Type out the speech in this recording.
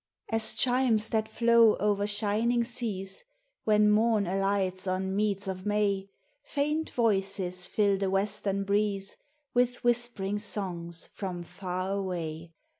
As chimes that flow o'er shining seas When Morn alights on meads of May, Faint voices fill the western breeze With whisp'ring songs from Far Away.